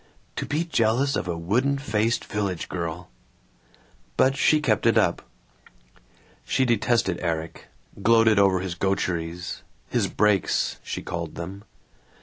"To be jealous of a wooden faced village girl!" But she kept it up. She detested Erik; gloated over his gaucheries his "breaks," she called them.